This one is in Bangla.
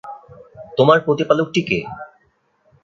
তোমার প্রতিপালকটি কে?